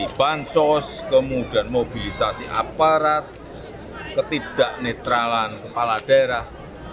jadi bansos kemudian mobilisasi aparat ketidak netralan kepala daerah